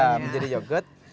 ya menjadi yogurt